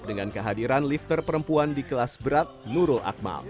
dengan kehadiran lifter perempuan di kelas berat nurul akmal